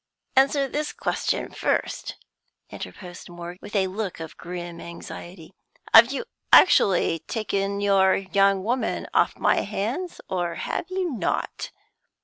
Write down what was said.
"Answer this question first," interposed Morgan, with a look of grim anxiety. "Have you actually taken your young woman off my hands, or have you not?"